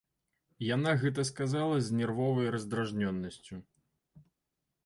Яна гэта сказала з нервовай раздражнёнасцю.